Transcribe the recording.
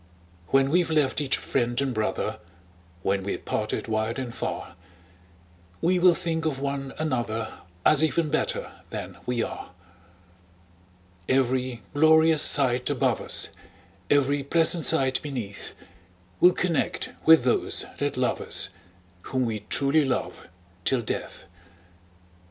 When we've left each friend and brother, When we're parted wide and far, We will think of one another, As even better than we are. Every glorious sight above us, Every pleasant sight beneath, We'll connect with those that love us, Whom we truly love till death!